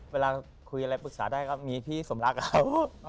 เวลาคุยอะไรปรึกษาได้ก็มีพี่สมรักครับ